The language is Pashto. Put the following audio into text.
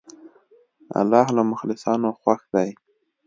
الله له مخلصانو خوښ دی.